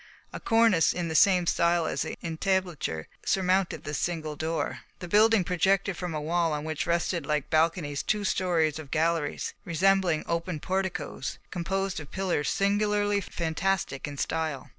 A cornice in the same style as the entablature surmounted this single door. The building projected from a wall on which rested like balconies two stories of galleries, resembling open porticoes, composed of pillars singularly fantastic in style.